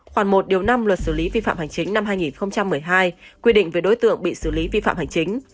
khoảng một điều năm luật xử lý vi phạm hành chính năm hai nghìn một mươi hai quy định về đối tượng bị xử lý vi phạm hành chính